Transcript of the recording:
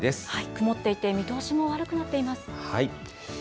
曇っていて見通しも悪くなっています。